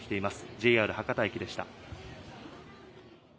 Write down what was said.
ＪＲ博多駅でした。